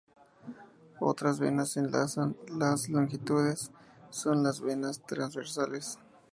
Otras venas enlazan a las longitudinales, son las venas transversales.